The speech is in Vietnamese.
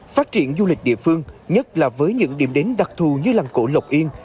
phát triển du lịch địa phương nhất là với những điểm đến đặc thù như làng cổ lộc yên